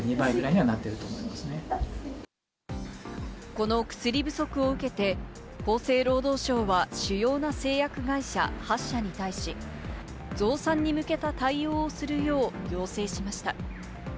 この薬不足を受けて、厚生労働省は主要な製薬会社８社に対し、増産に向けた対応をするよう、要請しました。